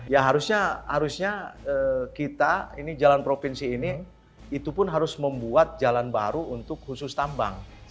ya harusnya harusnya kita ini jalan provinsi ini itu pun harus membuat jalan baru untuk khusus tambang